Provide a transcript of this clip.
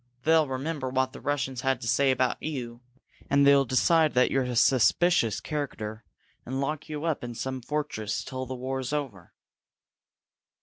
They'll remember what the Russians had to say about you, and they'll decide that you're a suspicious character, and lock you up in some fortress till the war's over!"